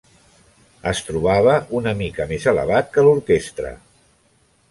Es trobava una mica més elevat que l'orquestra.